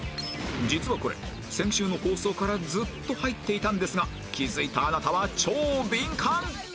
実はこれ先週の放送からずっと入っていたんですが気付いたあなたは超ビンカン